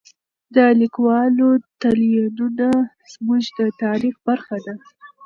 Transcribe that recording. د لیکوالو تلینونه زموږ د تاریخ برخه ده.